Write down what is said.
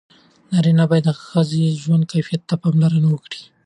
نارینه باید د ښځې د ژوند کیفیت ته پاملرنه وکړي.